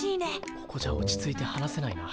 ここじゃ落ち着いて話せないな。